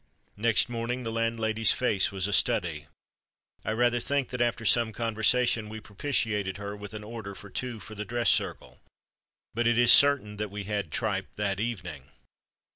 Next morning the landlady's face was a study. I rather think that after some conversation, we propitiated her with an order for two for the dress circle; but it is certain that we had tripe that evening.